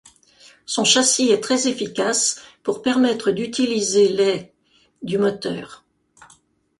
Son châssis est très efficace, pour permettre d'utiliser les du moteur.